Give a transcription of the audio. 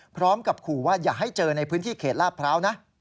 พร้อมกับขู่ว่าอย่าให้เจอในพื้นที่เขตลาดพร้าวนะ